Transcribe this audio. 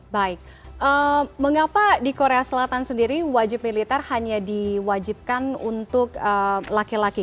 baik mengapa di korea selatan sendiri wajib militer hanya diwajibkan untuk laki laki